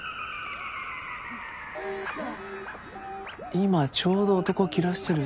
「今ちょうど男切らしてるし。